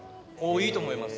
いいと思います。